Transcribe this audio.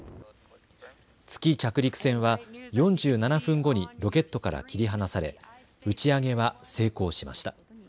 月着陸船は４７分後にロケットから切り離され打ち上げは成功しました。